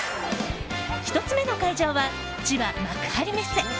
１つ目の会場は千葉・幕張メッセ。